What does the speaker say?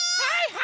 はい！